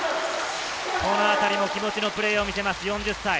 このあたりも気持ちのプレーを見せる４０歳。